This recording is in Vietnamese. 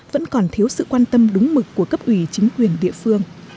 vẫn còn thiếu sự quan tâm đúng mực của cấp ủy chính quyền địa phương